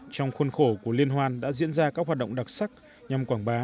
trong khuôn khổ của liên hoan đã diễn ra các hoạt động đặc sắc nhằm quảng bá